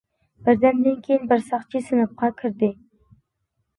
بىردەمدىن كېيىن بىر ساقچى سىنىپقا كىردى.